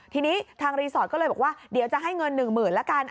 ทีนี้ทางรีสอร์ทก็เลยบอกว่าเดี๋ยวจะให้เงิน๑๐๐๐ละกัน